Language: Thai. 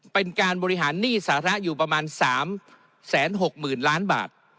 เป็นการบริหารหนี้สาระอยู่ประมาณ๓๖๐๐๐ล้านบาท